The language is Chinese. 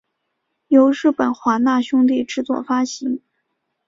由日本华纳兄弟制作发行。